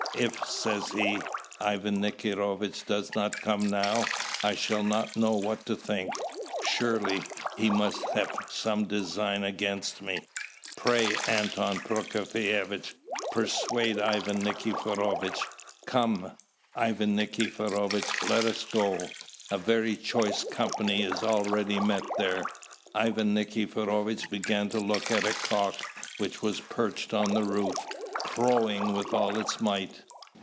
"'If,' says he, 'Ivan Nikiforovitch does not come now, I shall not know what to think: surely, he must have some design against me. Pray, Anton Prokofievitch, persuade Ivan Nikiforovitch!' Come, Ivan Nikiforovitch, let us go! a very choice company is already met there." Ivan Nikiforovitch began to look at a cock, which was perched on the roof, crowing with all its might.